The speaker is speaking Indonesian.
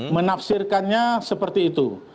menafsirkannya seperti itu